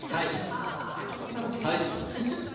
はそれも楽しみですが。